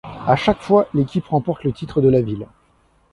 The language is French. À chaque fois l'équipe remporte le titre de la ville.